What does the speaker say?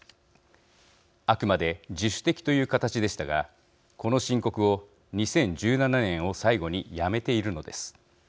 あくまで自主的という形でしたがこの申告を、２０１７年を最後にやめているのです。